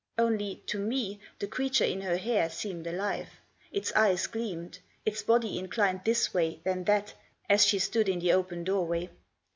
Only, to me, the creature in her hair seemed alive. Its eyes gleamed ; its body inclined this way then that, as she stood in the open doorway.